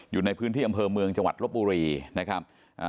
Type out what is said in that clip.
อยู่ในพื้นที่อำเภอเมืองจังหวัดลบบุรีนะครับ